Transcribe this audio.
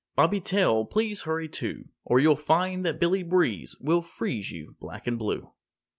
Bobby Tail, please hurry, too! Or you'll find that Billy Breeze Will freeze you black and blue!